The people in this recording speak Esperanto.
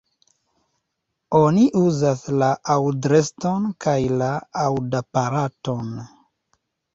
Oni uzas la aŭdreston kaj la aŭdaparaton.